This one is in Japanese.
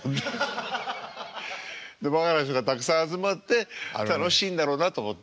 バカな人がたくさん集まって楽しいんだろうなと思って。